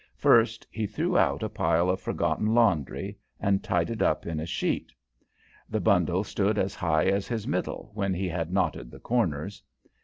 First he threw out a pile of forgotten laundry and tied it up in a sheet. The bundle stood as high as his middle when he had knotted the corners.